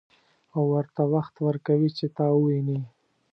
او ورته وخت ورکوي چې تا وويني.